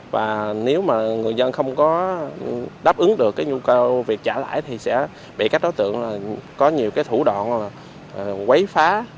và nếu mà người dân không có đáp ứng được cái nhu cầu việc trả lãi thì sẽ bị các đối tượng có nhiều cái thủ đoạn là quấy phá